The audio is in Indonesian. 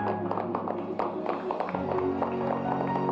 bersama sama jangan biyotrycat